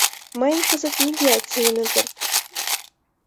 Мыйым кызытат нигӧат сеҥен ок керт.